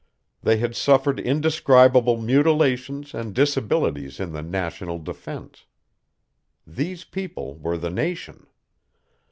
They had suffered indescribable mutilations and disabilities in the national defense. These people were the nation.